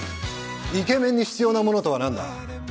イケメンに必要なものとはなんだ？